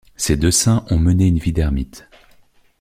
Ces deux saints ont mené une vie d'ermite.